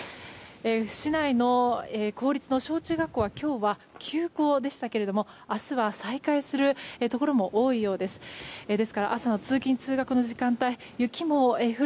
市内の公立の小中学校は今日は休校でしたけれども明日は再開するところも多いようです。